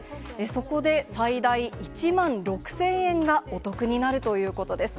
そこで、最大１万６０００円がお得になるということです。